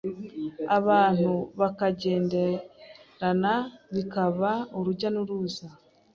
abantu bakagenderana bikaba urujya n’uruza